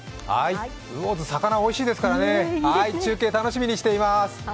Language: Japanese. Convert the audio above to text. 魚津、魚がおいしいですから中継楽しみにしています。